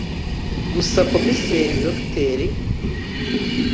Gusa komiseri Dr